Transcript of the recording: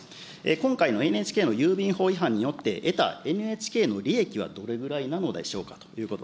今回のＮＨＫの郵便法違反によって得たＮＨＫの利益はどれぐらいなのでしょうかということ。